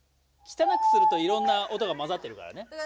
きたなくするといろんな音がまざってるからね。